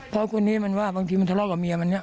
เพราะคนนี้มันว่าบางทีมันทะเลาะกับเมียมันเนี่ย